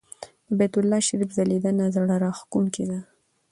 د بیت الله شریفه ځلېدنه زړه راښکونکې ده.